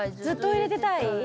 ずっといれてたい？